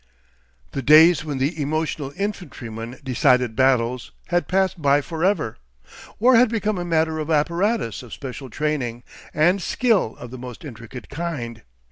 The days when the emotional infantryman decided battles had passed by for ever. War had become a matter of apparatus of special training and skill of the most intricate kind.